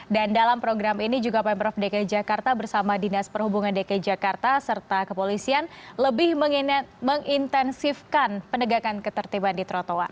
dan dalam program ini juga pemerintah dki jakarta bersama dinas perhubungan dki jakarta serta kepolisian lebih mengintensifkan penegakan ketertiban di trotoar